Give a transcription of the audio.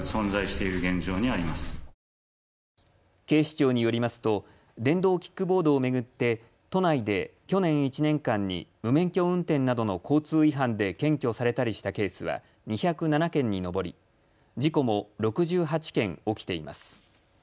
警視庁によりますと電動キックボードを巡って都内で去年１年間に無免許運転などの交通違反で検挙されたりしたケースは２０７件に上り、事故も６８件、起きています。